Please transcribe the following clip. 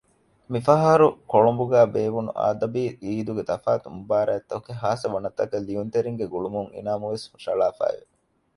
މިފަހަރު ކޮޅުނބުގައި ބޭއްވުނު އަދަބީ އީދުގެ ތަފާތު މުބާރާތްތަކުގެ ޚާއްޞަ ވަނަތަކަށް ލިޔުންތެރީންގެ ގުޅުމުން އިނާމު ވެސް ހުށަހަޅާފައިވެ